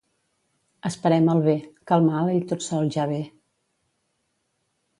Esperem el bé, que el mal ell tot sol ja ve.